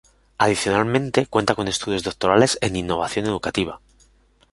Adicionalmente, cuenta con estudios doctorales en Innovación educativa.